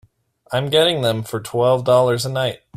I'm getting them for twelve dollars a night.